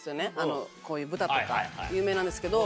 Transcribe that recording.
こういう豚とか有名なんですけど。